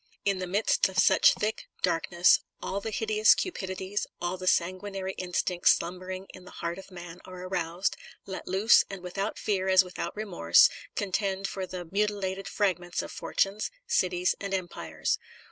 In the midst of such thick dark ness, all the hideous cupidities, all the san guinary instincts slumbering in the heart of man, are aroused, let loose, and without fear as without remorse, contend for the mutilated fragments of fortunes, cities, and empires.